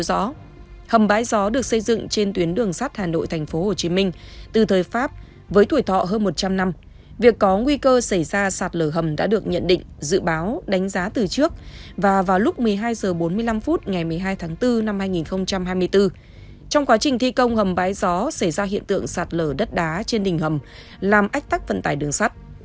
và vào lúc một mươi hai h bốn mươi năm ngày một mươi hai tháng bốn năm hai nghìn hai mươi bốn trong quá trình thi công hầm bái gió xảy ra hiện tượng sạt lở đất đá trên đỉnh hầm làm ách tắc vận tải đường sắt